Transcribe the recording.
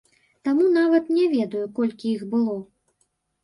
Таму нават не ведаю, колькі іх было.